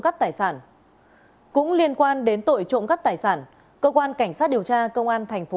cắp tài sản cũng liên quan đến tội trộm cắp tài sản cơ quan cảnh sát điều tra công an thành phố